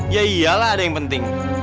ya iyalah ada yang penting